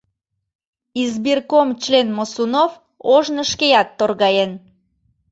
Избирком член Мосунов ожно шкеат торгаен.